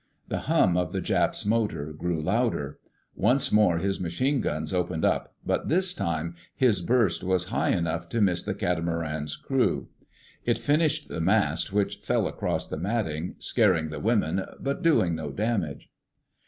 The hum of the Jap's motor grew louder. Once more his machine guns opened up, but this time his burst was high enough to miss the catamaran's crew. It finished the mast which fell across the matting, scaring the women but doing no damage.